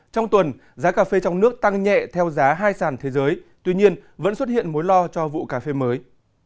trong tuần giá cà phê trong nước tăng nhẹ theo giá hai sản thế giới tuy nhiên vẫn xuất hiện mối lo cho vụ cà phê mới